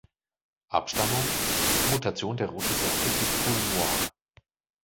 Abstammung: Mutation der roten Sorte Piquepoul Noir.